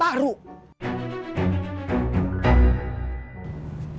berita yang ditulis selfie ma